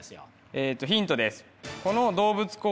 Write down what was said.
えとヒントです。